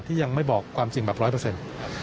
ที่ยังไม่บอกความจริงแบบ๑๐๐